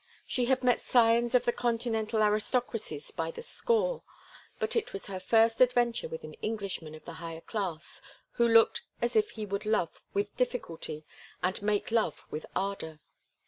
She had met scions of the continental aristocracies by the score, but it was her first adventure with an Englishman of the higher class who looked as if he would love with difficulty and make love with ardor.